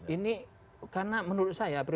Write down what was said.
ini karena menurut saya